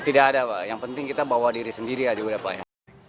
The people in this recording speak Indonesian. ya tidak ada pak yang penting kita bawa diri sendiri aja udah pak ya